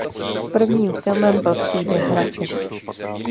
Prvním filmem byl "Příběh hraček".